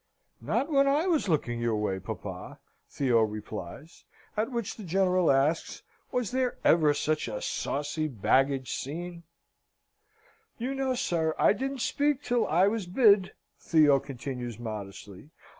"Not when I was looking your way, papa!" Theo replies. At which the General asks, "Was there ever such a saucy baggage seen?" "You know, sir, I didn't speak till I was bid," Theo continues, modestly.